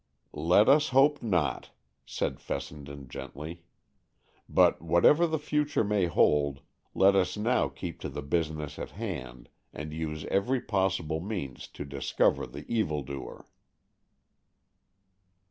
"Let us hope not," said Fessenden gently. "But whatever the future may hold, let us now keep to the business at hand, and use every possible means to discover the evil doer."